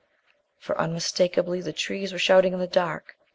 For, unmistakably, the trees were shouting in the dark.